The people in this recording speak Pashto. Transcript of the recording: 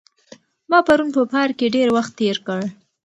ما پرون په پارک کې ډېر وخت تېر کړ.